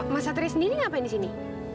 mas satri sendiri ngapain di sini